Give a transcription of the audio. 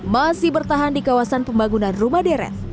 masih bertahan di kawasan pembangunan rumah deret